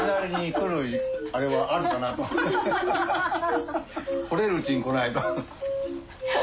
来れるうちに来ないと。